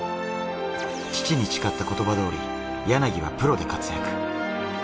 父に誓った言葉通り、柳はプロで活躍。